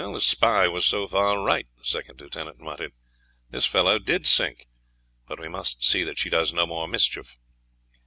"The spy was so far right," the second lieutenant muttered "this fellow did sink; now we must see that she does no more mischief."